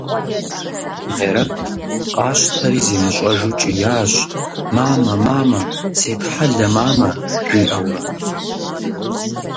Мерэт къащтэри зимыщӀэжу кӀиящ: – Мамэ, мамэ! Сетхьэлэ, мамэ! – жиӀэурэ.